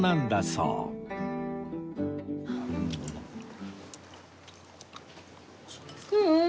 うん！